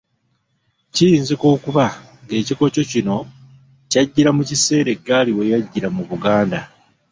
Kiyinzika okuba ng'ekikokyo kino kyajjira mu kiseera eggaali we yajjira mu Buganda.